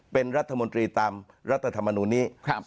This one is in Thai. เป็นรัฐมนตรีตามรัฐธรรมนูลนี้